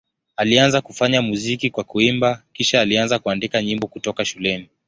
Alianza kufanya muziki kwa kuimba, kisha alianza kuandika nyimbo kutoka shuleni.